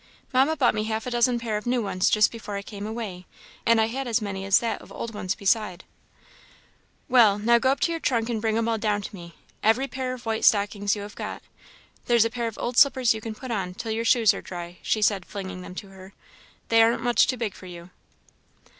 "Mamma bought me half a dozen pair of new ones just before I came away, and I had as many as that of old ones besides." "Well, now go up to your trunk and bring 'em all down to me every pair of white stockings you have got. There's a pair of old slippers you can put on till your shoes are dry," she said, flinging them to her "They aren't much too big for you."